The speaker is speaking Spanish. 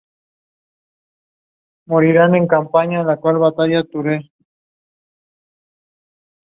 En la Unión europea su uso es limitado.